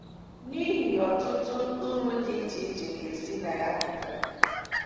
n'ihi ọtụtụ uru dị iche iche ga-esi na ya pụta